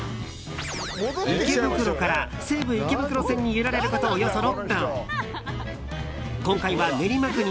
池袋から西武池袋線に揺られることおよそ６分。